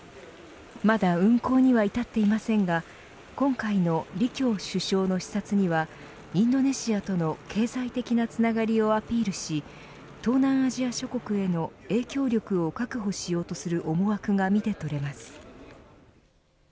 まだ運行には至っていませんが今回の李強首相の視察にはインドネシアとの経済的なつながりをアピールし東南アジア諸国への影響力を確保しようとする思惑が見て取れます。